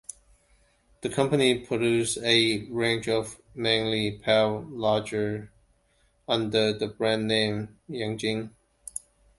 The company produces a range of mainly pale lagers under the brand name Yanjing.